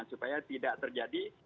supaya tidak terjadi